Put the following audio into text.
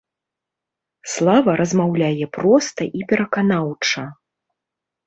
Слава размаўляе проста і пераканаўча.